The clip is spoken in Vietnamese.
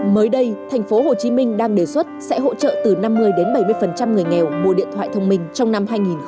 mới đây thành phố hồ chí minh đang đề xuất sẽ hỗ trợ từ năm mươi đến bảy mươi người nghèo mua điện thoại thông minh trong năm hai nghìn hai mươi hai